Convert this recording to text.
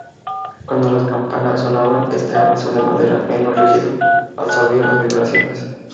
Cuando las campanas sonaban, este armazón de madera, menos rígido, absorbía las vibraciones.